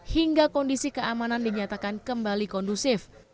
hingga kondisi keamanan dinyatakan kembali kondusif